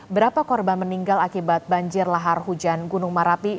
berapa korban meninggal akibat banjir lahar hujan gunung merapi